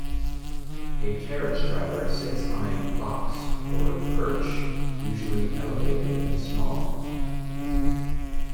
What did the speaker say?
A carriage driver sits on a "box" or "perch", usually elevated and small.